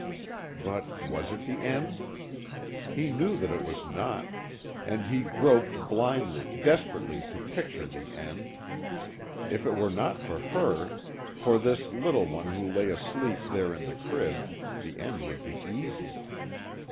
But, was it the end? He knew that it was not, and he groped blindly, desperately to picture the end. If it were not for her for this little one who lay asleep there in the crib, the end would be easy.